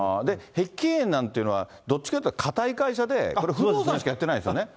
碧桂園なんていうのは、どっちかっていったら、堅い会社でこれ、不動産しかやってないんですよね。